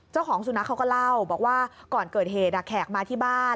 เจ้าของสุนัขเขาก็เล่าบอกว่าก่อนเกิดเหตุแขกมาที่บ้าน